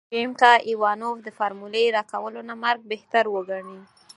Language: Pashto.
ويم که ايوانوف د فارمولې راکولو نه مرګ بهتر وګڼي.